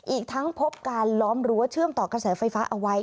อีกทั้งพบการล้อมรั้วเชื่อมต่อกระแสไฟฟ้าเอาไว้